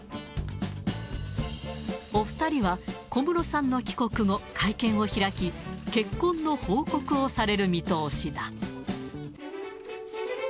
お２人は小室さんの帰国後、会見を開き、結婚の報告をされる見通しだ。